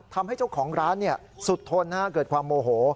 ทำให้เจ้าของร้านสุดทนเกิดความโมโห